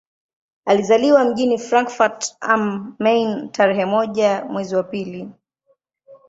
Alizaliwa mjini Frankfurt am Main tarehe moja mwezi wa pili